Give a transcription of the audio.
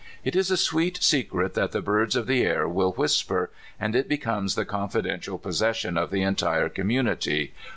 It is a sweet secret that the birds of the air will whisper, and it becomes the confidential possession of the entire community.